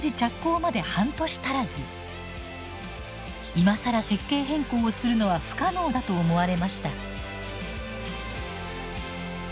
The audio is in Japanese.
今更設計変更するのは不可能だと思われました。